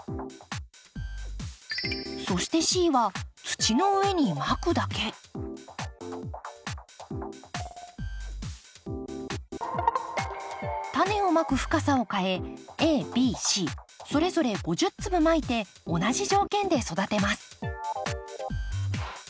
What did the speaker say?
そしてＣは土の上にまくだけタネをまく深さを変えＡＢＣそれぞれ５０粒まいて同じ条件で育てます